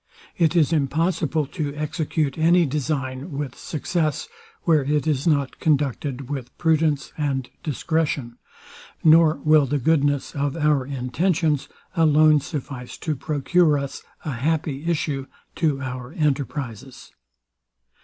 It is impossible to execute any design with success, where it is not conducted with prudence and discretion; nor will the goodness of our intentions alone suffice to procure us a happy issue to our enterprizes.